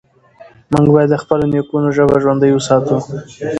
موږ بايد د خپلو نيکونو ژبه ژوندۍ وساتو.